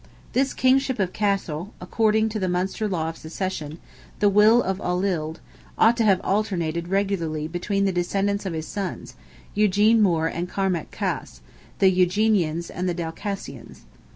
This kingship of Cashel, according to the Munster law of succession, "the will of Olild," ought to have alternated regularly between the descendants of his sons, Eugene More and Cormac Cas—the Eugenians and Dalcassians.